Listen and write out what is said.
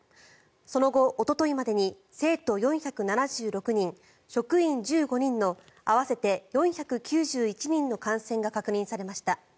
その後、おとといまでに生徒４７６人、職員１５人の合わせて４９１人の感染が確認されました。